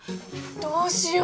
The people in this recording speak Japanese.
どうしよう！